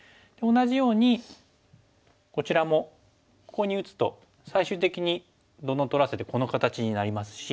同じようにこちらもここに打つと最終的にどんどん取らせてこの形になりますし。